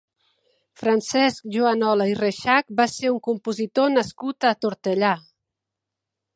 Francesc Juanola i Reixach va ser un compositor nascut a Tortellà.